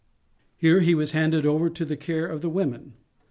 Here he was handed over to the care of the women.